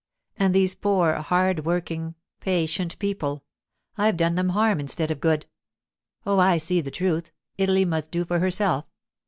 And these poor, hard working, patient people—I've done them harm instead of good. Oh, I see the truth; Italy must do for herself.